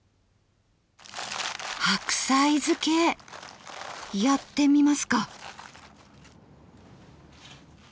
白菜漬けやってみますか！